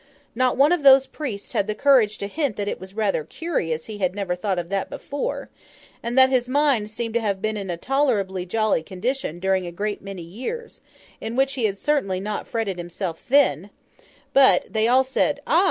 Not one of those priests had the courage to hint that it was rather curious he had never thought of that before, and that his mind seemed to have been in a tolerably jolly condition during a great many years, in which he certainly had not fretted himself thin; but, they all said, Ah!